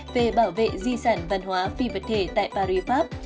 về bảo vệ di sản văn hóa phi vật thể tại paris pháp